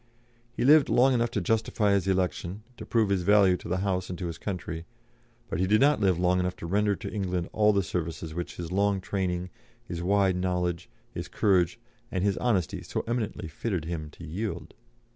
He lived long enough to justify his election, to prove his value to the House and to his country, but he did not live long enough to render to England all the services which his long training, his wide knowledge, his courage, and his honesty so eminently fitted him to yield.